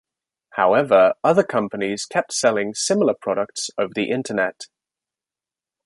However, other companies kept selling similar products over the Internet.